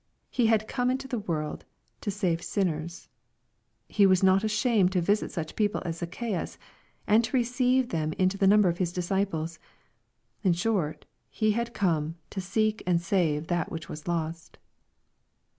He had come into the world to save sinners. He was not ashamed to visit such people as Zacchaeus, and to receive them into the number of His disciples. In short, he had come " to seek and save that which was lost."